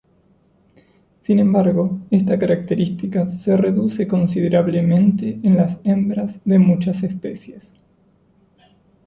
Sin embargo, esta característica se reduce considerablemente en las hembras de muchas especies.